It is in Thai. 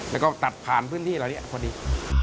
แล้วก็ตัดผ่านพื้นที่เหล่านี้พอดี